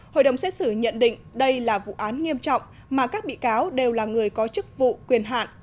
hội đồng xét xử nhận định đây là vụ án nghiêm trọng mà các bị cáo đều là người có chức vụ quyền hạn